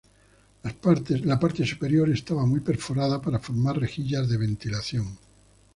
La parte superior estaba muy perforada para formar rejillas de ventilación.